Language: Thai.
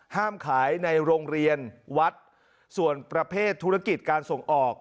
ห้ามขายในโรงเรียนวัดส่วนประเภทธุรกิจการส่งออก